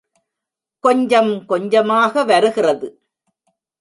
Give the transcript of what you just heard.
கொஞ்சம் கொஞ்சமாக வருகிறது.